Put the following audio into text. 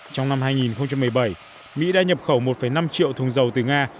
trong năm hai nghìn một mươi bảy mỹ đã nhập khẩu một năm triệu thùng dầu từ nga